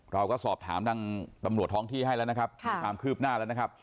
เราก็สอบถามทางตำรวจท้องที่ให้แล้วนะครับมีความคืบหน้าแล้วนะครับ